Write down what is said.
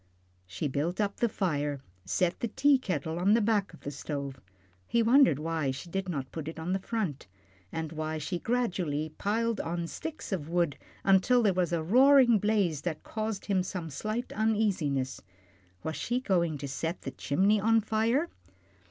She built up the fire, set the teakettle on the back of the stove he wondered why she did not put it on the front, and why she gradually piled on sticks of wood until there was a roaring blaze that caused him some slight uneasiness. Was she going to set the chimney on fire?